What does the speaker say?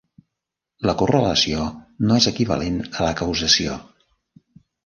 La correlació no és equivalent a la causació.